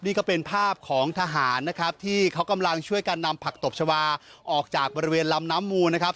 นี่ก็เป็นภาพของทหารนะครับที่เขากำลังช่วยกันนำผักตบชาวาออกจากบริเวณลำน้ำมูลนะครับ